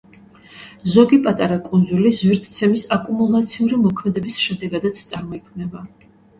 ზოგი პატარა კუნძული ზვირთცემის აკუმულაციური მოქმედების შედეგადაც წარმოიქმნება.